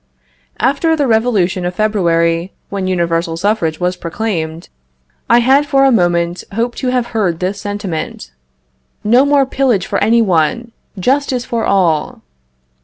After the revolution of February, when universal suffrage was proclaimed, I had for a moment hoped to have heard this sentiment: "No more pillage for any one, justice for all."